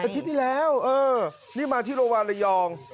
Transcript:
ที่แล้วเออนี่มาที่โรงพยาบาลระยอง